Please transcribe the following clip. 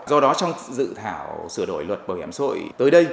do đó trong dự thảo sửa đổi luật bảo hiểm xã hội tới đây